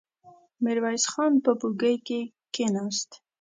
ميرويس خان په بګۍ کې کېناست.